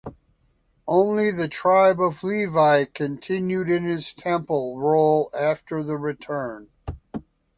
Only the tribe of Levi continued in its temple role after the return.